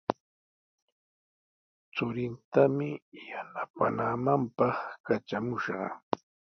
Churintami yanapaamaananpaq katramushqa.